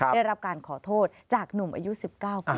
ได้รับการขอโทษจากหนุ่มอายุ๑๙ปี